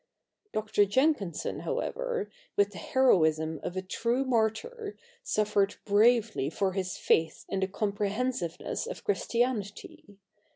Dr. Jenkinson, however, with the heroism of a true martyr, suffered bravely for his faith in the comprehensiveness of Christi anity.